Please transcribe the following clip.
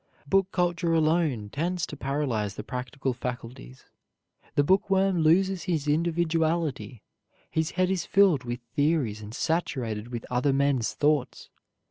Book culture alone tends to paralyze the practical faculties. The bookworm loses his individuality; his head is filled with theories and saturated with other men's thoughts.